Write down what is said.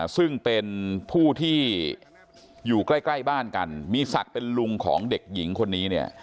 ซึ่งเป็นผู้ที่อยู่ใกล้บ้านกันมีศักดิ์เป็นลุงของเด็กหญิงคนนี้เนี่ย